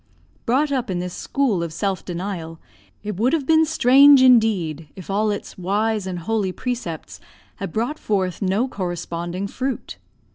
Brought up in this school of self denial, it would have been strange indeed if all its wise and holy precepts had brought forth no corresponding fruit.